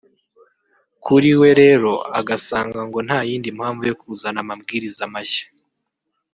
Kuri we rero agasanga ngo nta yindi mpamvu yo kuzana amabwiriza mashya